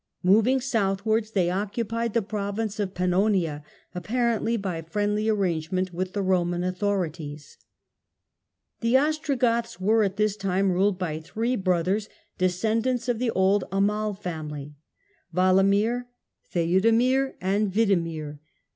Moving southwards, they occupied the pro vince of Pannonia, apparently by friendly arrangement with the Eoman authorities. Birth of The Ostrogoths were at this time ruled by three brothers, descendants of the old Amal family, Walamir, Theudemir and Widemir.